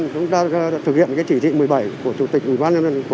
chúng ta thực hiện chỉ thị một mươi bảy của chủ tịch ubnd